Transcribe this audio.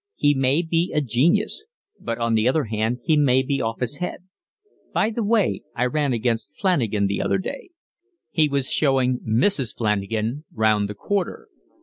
He may be a genius, but on the other hand he may be off his head. By the way, I ran against Flanagan the other day. He was showing Mrs. Flanagan round the Quarter.